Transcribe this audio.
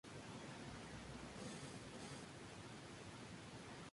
Fondos de pantalla estáticos se mueven ahora con el acelerómetro.